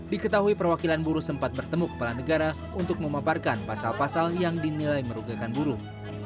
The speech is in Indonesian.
diketahui perwakilan buruh sempat bertemu kepala negara untuk memaparkan pasal pasal yang dinilai merugikan buruh